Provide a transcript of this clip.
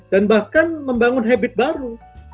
dan bahkan membangun habit baru